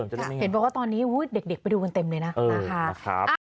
เห็นว่าตอนนี้เด็กไปดูกันเต็มเลยนะ